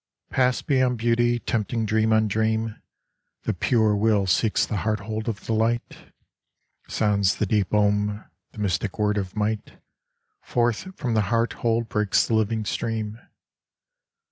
Passed beyond beauty tempting dream on dream, The pure Will seeks the heart hold of the light : Sounds the deep OM, the mystic word of might : Forth from the heart hold breaks the living stream.